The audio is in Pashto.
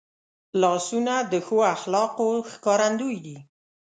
لاسونه د ښو اخلاقو ښکارندوی دي